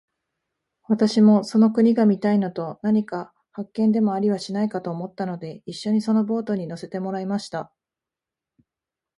私もその国が見たいのと、何か発見でもありはしないかと思ったので、一しょにそのボートに乗せてもらいました。